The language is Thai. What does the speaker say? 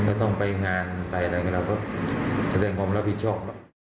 ก็ต้องไปงานไปอะไรอย่างนี้เราก็แสดงความรับผิดชอบ